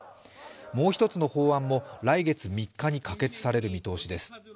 もう１つの法案も来月３日に可決される見通しです。